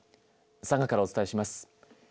佐賀からお伝えします。